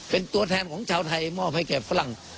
เป็นตัวแทนของชาวไทยมอบให้แก่ฝรั่ง